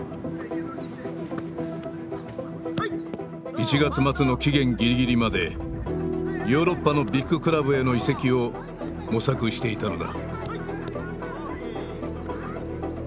１月末の期限ギリギリまでヨーロッパのビッグクラブへの移籍を模索していたのだ。